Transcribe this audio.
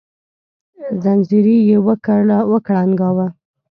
ځنځير يې وکړانګاوه